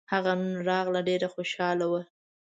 هغه نن راغله ډېره خوشحاله وه